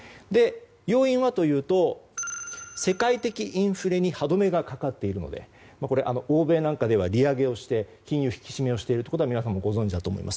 要因はというと世界的インフレに歯止めがかかっているので欧米なんかでは利上げをして金利の引き締めをしているのは皆さんもご存じだと思います。